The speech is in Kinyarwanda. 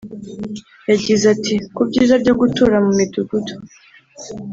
yagize ati “ku byiza byo gutura mu midugudu